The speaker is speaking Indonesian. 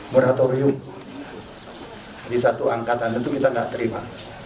moratorium di satu angkatan itu kita tidak terima